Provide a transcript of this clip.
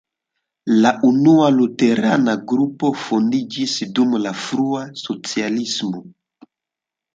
La unua luterana grupo fondiĝis dum la frua socialismo.